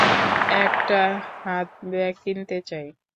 একটা হাতব্যাগ কিনতে চাই।